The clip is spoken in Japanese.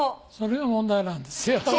それが問題なんですよ。